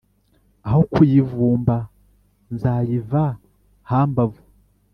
aho kuyivumba nzayiva hambavu!